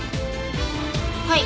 はい。